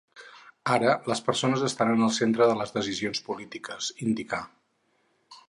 “Ara les persones estan en el centre de les decisions polítiques”, indica.